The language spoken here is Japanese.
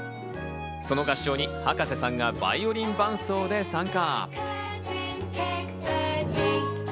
その合唱に葉加瀬さんがバイオリン伴奏で参加。